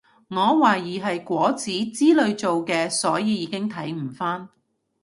我懷疑係果籽之類做嘅所以已經睇唔返